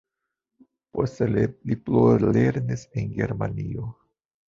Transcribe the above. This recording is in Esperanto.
Poste li plulernis en Germanio.